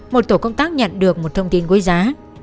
một tổ công tác nhận được một thông tin quý giá